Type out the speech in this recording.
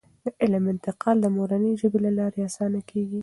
د علم انتقال د مورنۍ ژبې له لارې اسانه کیږي.